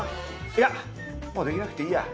いやもうできなくていいや。